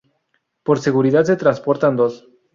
Por seguridad se transportan dos.